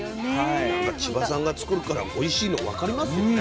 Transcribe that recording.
千葉さんが作るからおいしいの分かりますよね。